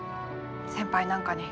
先輩なんかに。